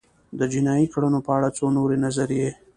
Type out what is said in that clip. د جنایي کړنو په اړه څو نورې نظریې